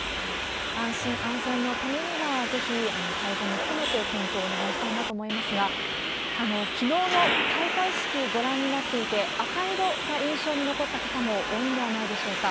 安心安全のためには、ぜひ改善も含めて検討をお願いしたいなと思いますが、きのうの開会式、ご覧になっていて、赤色が印象に残った方も多いんではないでしょうか。